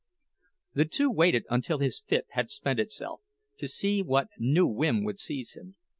The two waited until his fit had spent itself, to see what new whim would seize him.